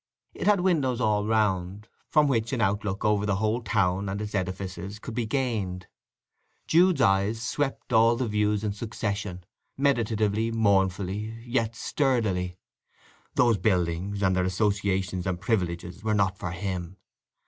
It had windows all round, from which an outlook over the whole town and its edifices could be gained. Jude's eyes swept all the views in succession, meditatively, mournfully, yet sturdily. Those buildings and their associations and privileges were not for him.